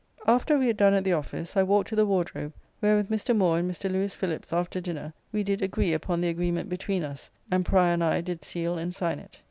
After we had done at the office, I walked to the Wardrobe, where with Mr. Moore and Mr. Lewis Phillips after dinner we did agree upon the agreement between us and Prior and I did seal and sign it.